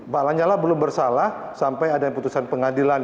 pak lanyala belum bersalah sampai ada yang putusan pengadilan